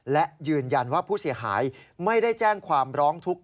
และยืนยันว่าผู้เสียหายไม่ได้แจ้งความร้องทุกข์